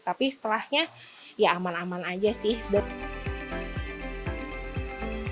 tapi setelahnya ya aman aman aja sih